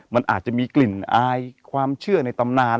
มันอาจจะมีกลิ่นอายความเชื่อในตำนาน